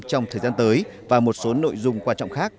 trong thời gian tới và một số nội dung quan trọng khác